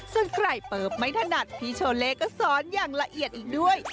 ส่วนใครเปิบไม่ถนัดพี่โชเลก็สอนอย่างละเอียดอีกด้วย